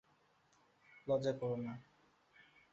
লজ্জা কোরো না।